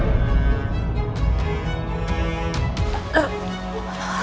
anggap itu tidak pernah terjadi ma